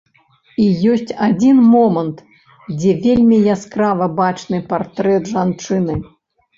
І ёсць адзін момант, дзе вельмі яскрава бачны партрэт жанчыны.